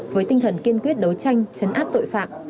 với tinh thần kiên quyết đấu tranh chấn áp tội phạm